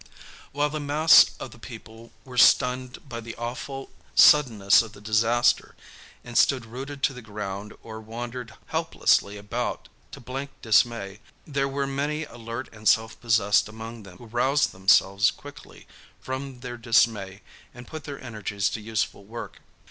While the mass of the people were stunned by the awful suddenness of the disaster and stood rooted to the ground or wandered helplessly about in blank dismay, there were many alert and self possessed among them who roused themselves quickly from their dismay and put their energies to useful work.